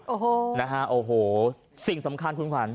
โอ้โหนะฮะโอ้โหสิ่งสำคัญคุณขวัญ